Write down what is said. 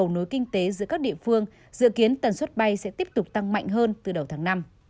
nối kinh tế giữa các địa phương dự kiến tần suất bay sẽ tiếp tục tăng mạnh hơn từ đầu tháng năm